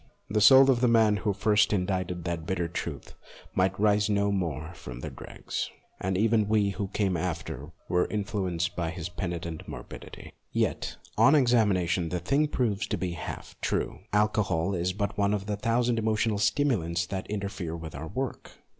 The soul of the man who first indited that bitter truth might rise no more from the dregs, and even we who came after were influenced by his penitent mor bidity. Yet, on examination, the thing proves to be but half true. Alcohol is but one of the thousand emotional stimulants that inter fere with our work.